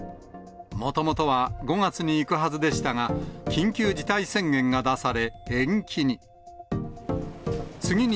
もともとは５月に行くはずでしたが、緊急事態宣言が出され、延期に。